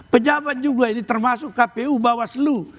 pejabat juga ini termasuk kpu bawaslu